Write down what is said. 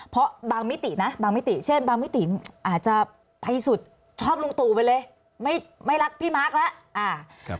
เพราะบางมิตินะบางมิติเช่นบางมิติอาจจะภัยสุดชอบลุงตู่ไปเลยไม่รักพี่มาร์คแล้ว